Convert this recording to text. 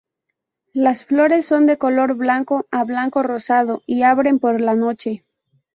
Las flores son de color blanco a blanco rosado y abren por la noche.